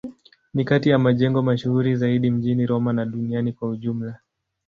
Ni kati ya majengo mashuhuri zaidi mjini Roma na duniani kwa ujumla.